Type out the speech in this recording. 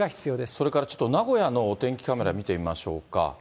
それからちょっと名古屋のお天気カメラ見てみましょうか。